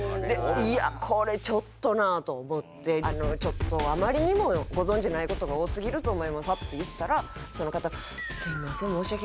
「いやこれちょっとな」と思って「ちょっとあまりにもご存じない事が多すぎると思います」ってパッて言ったらその方。